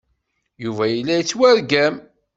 Yuba yella yettwargam.